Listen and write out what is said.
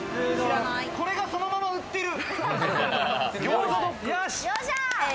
これがそのまま売っている。